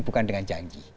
bukan dengan janji